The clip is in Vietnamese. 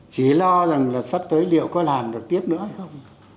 chỉ lo rằng là sắp tới liệu có làm được tiếp nữa hay không